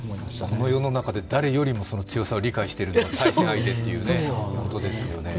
この世の中で誰よりも強さを理解しているのは対戦相手ということですよね。